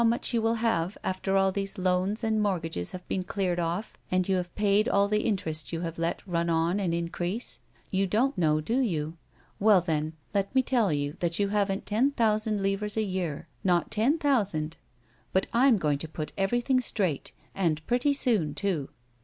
much you will have after all these loans and mortgages have been cleared off, and you have paid all the interest you have let run on and increase ? You don't know, do you ? Well then, let me tell you that you haven't ten thousand livres a year ; not ten thousand. But I'm going to put everything straight, and pretty soon too."